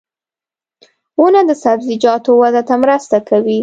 • ونه د سبزیجاتو وده ته مرسته کوي.